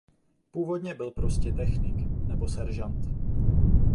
Původně byl prostě „Technik“ nebo „Seržant“.